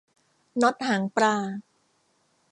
น็อตหางปลา